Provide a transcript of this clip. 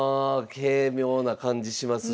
軽妙な感じしますし。